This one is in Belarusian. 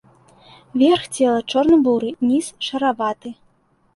Верх цела чорна-буры, ніз шараваты.